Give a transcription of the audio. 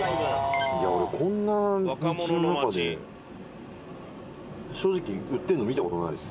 俺こんな道の中で正直売ってんの見た事ないです。